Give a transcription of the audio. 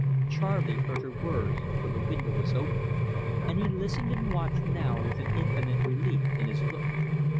Charley heard her words, for the window was open, and he listened and watched now with an infinite relief in his look.